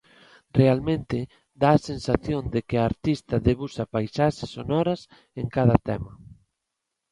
Realmente dá a sensación de que a artista debuxa paisaxes sonoras en cada tema.